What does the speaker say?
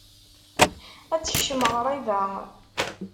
ad tekcem ɣriba.